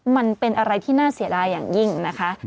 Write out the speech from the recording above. มันเป็นอะไรที่น่าเสียดายอย่างยิ่งนะคะ